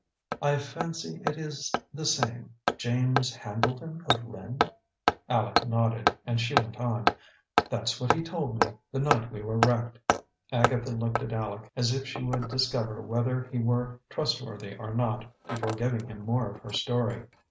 "I fancy it is the same James Hambleton of Lynn?" Aleck nodded and she went on: "That's what he told me, the night we were wrecked." Agatha looked at Aleck, as if she would discover whether he were trustworthy or not, before giving him more of her story.